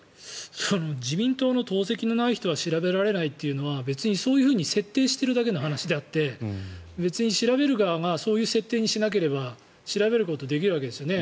自民党の党籍のない人は調べられないというのは別にそういうふうに設定しているだけの話であって別に調べる側がそういう設定にしなければ調べることができるわけですね。